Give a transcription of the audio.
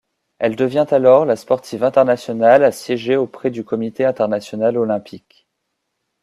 Elle devient alors la sportive internationale à siéger auprès du Comité international olympique.